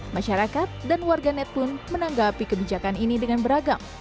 masyarakat dan warganet pun menanggapi kebijakan ini dengan beragam